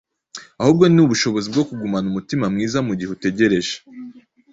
ahubwo ni ubushobozi bwo kugumana umutima mwiza mu gihe utegereje.